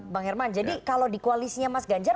bang herman jadi kalau di koalisinya mas ganjar